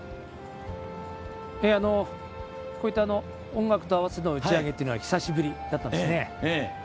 こういった音楽と合わせての打ち上げというのは久しぶりだったんですね。